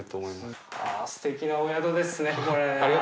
◆舛すてきなお宿ですねこれ。